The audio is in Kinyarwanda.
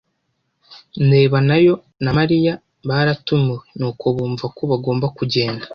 ndeba nayo na Mariya baratumiwe, nuko bumva ko bagomba kugenda.